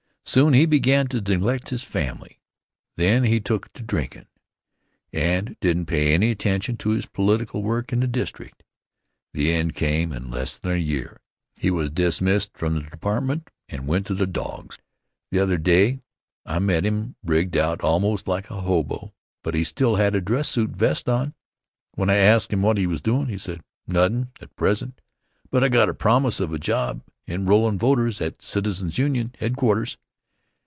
Soon he began to neglect his family. Then he took to drinkin', and didn't pay any attention to his political work in the district. The end came in less than a year. He was dismissed from the department and went to the dogs. The other day I met him rigged out almost like a hobo, but he still had a dress suit vest on. When I asked him what he was doin', he said: "Nothin' at present, but I got a promise of a job enrollin' voters at Citizens' Union head quarters."